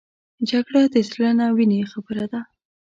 جګړه د زړه نه د وینې خبره ده